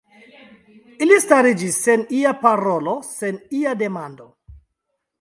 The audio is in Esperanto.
Ili stariĝis sen ia parolo, sen ia demando.